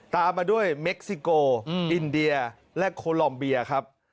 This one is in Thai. ตามมาด้วยเม็กซิโกอินเดียและโคลอมเบียครับ